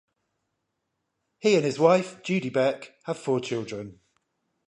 He and his wife, Judy Beck, have four children.